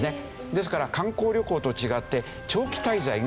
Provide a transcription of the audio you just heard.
ですから観光旅行と違って長期滞在ができるんですね。